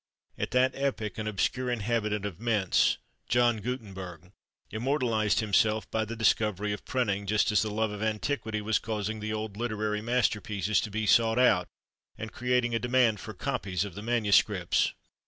At that epoch, an obscure inhabitant of Mentz, John Guttenberg, immortalised himself by the discovery of printing, just as the love of antiquity was causing the old literary masterpieces to be sought out, and creating a demand for copies of the manuscripts.